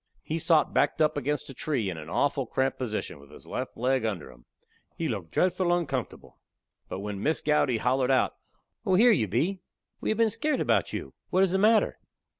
He sot backed up against a tree in a awful cramped position, with his left leg under him. He looked dretful uncomfortable. But when Miss Gowdy hollered out: "Oh, here you be! We have been skairt about you. What is the matter?"